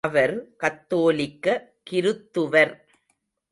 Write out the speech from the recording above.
அவர் கத்தோலிக்க கிருத்துவர்.